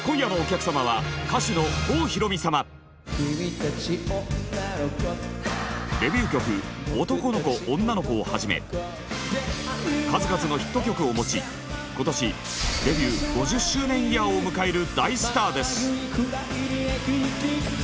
「君達女の子」デビュー曲「男の子女の子」をはじめ数々のヒット曲を持ち今年デビュー５０周年イヤーを迎える大スターです。